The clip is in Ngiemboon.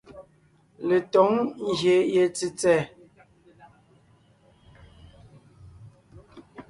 Letǒŋ ngyè ye tsètsɛ̀ɛ.